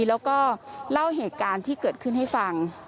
แล้วก็เล่าเหตุการณ์ที่เกิดขึ้นให้ฟัง